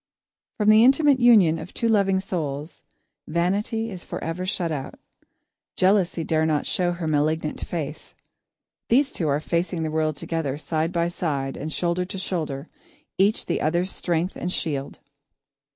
From the intimate union of two loving souls, Vanity is forever shut out. Jealousy dare not show her malignant face. These two are facing the world together, side by side and shoulder to shoulder, each the other's strength and shield.